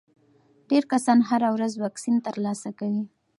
ډېر کسان هره ورځ واکسین ترلاسه کوي.